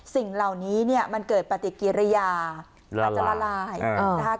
สิ่งเหล่านี้เนี่ยมันเกิดปฏิกิริยามันจะละลายนะคะ